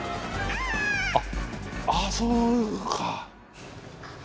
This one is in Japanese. あっそうか。